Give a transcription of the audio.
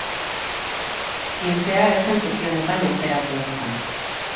Printzea, ez zen toki honetan lurperatua izan.